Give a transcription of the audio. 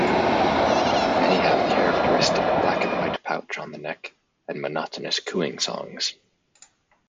Many have a characteristic black-and-white patch on the neck, and monotonous cooing songs.